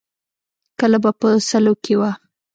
کله به په سلو کې وه.